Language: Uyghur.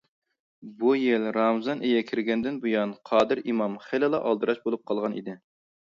بۇ يىل رامىزان ئېيى كىرگەندىن بۇيان قادىر ئىمام خېلىلا ئالدىراش بولۇپ قالغان ئىدى.